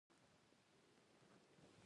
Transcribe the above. مکتب د څه کور دی؟